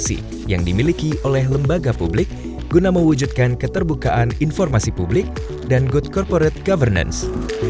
dan mengakses informasi yang dimiliki oleh lembaga publik guna mewujudkan keterbukaan informasi publik dan good corporate governance